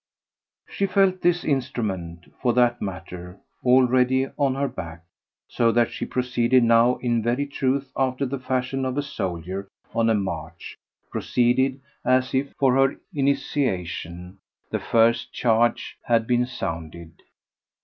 She felt this instrument, for that matter, already on her back, so that she proceeded now in very truth after the fashion of a soldier on a march proceeded as if, for her initiation, the first charge had been sounded.